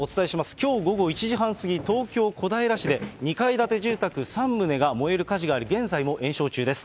きょう午後１時半過ぎ、東京・小平市で２階建て住宅３棟が燃える火事があり、現在も延焼中です。